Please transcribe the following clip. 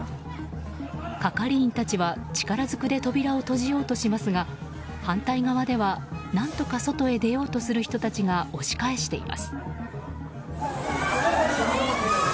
係員たちは力ずくで扉を閉じようとしますが反対側では何とか外に出ようとする人たちが押し返しています。